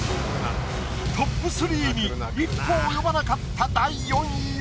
トップ３に一歩及ばなかった。